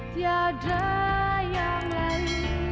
tidak ada yang lain